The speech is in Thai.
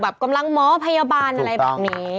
กำลังหมอพยาบาลอะไรแบบนี้